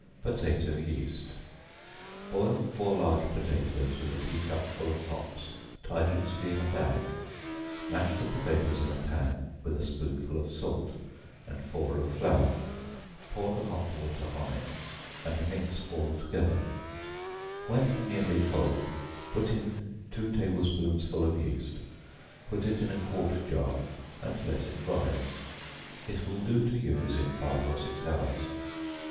Potato Yeast. Boil four large potatoes with a tea cupful of hops tied loosely in a bag; mash the potatoes in a pan, with a spoonful of salt, and four of flour; pour the hop water on it, and mix all together; when nearly cold, put in two table spoonsful of yeast; put it in a quart jar, and let it rise; it will do to use in five or six hours.